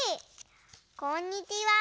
こんにちは。